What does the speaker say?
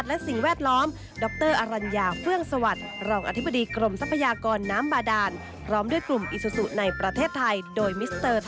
ติดตามกันเลยครับ